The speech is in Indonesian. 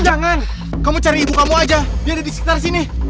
jangan kamu cari ibu kamu aja dia ada di sekitar sini